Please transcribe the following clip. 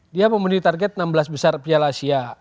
dia memenuhi target enam belas besar piala asia